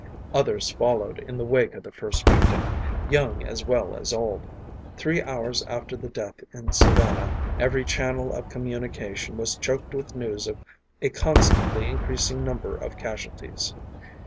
Others followed in the wake of the first victim, young as well as old; three hours after the death in Savannah, every channel of communication was choked with news of a constantly increasing number of casualties.